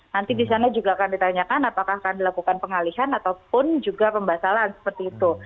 nanti di sana juga akan ditanyakan apakah akan dilakukan pengalihan ataupun juga pembatalan seperti itu